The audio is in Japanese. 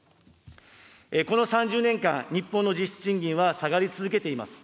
この３０年間、日本の実質賃金は下がり続けています。